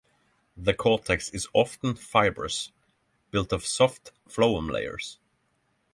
The cortex is often fibrous, built of soft phloem layers.